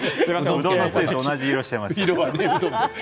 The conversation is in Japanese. うどんのつゆと同じ色をしていました。